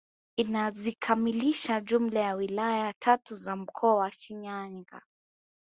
Inazikamilisha jumla ya wilaya tatu za mkoa wa Shinyanga